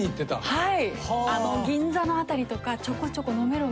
はい。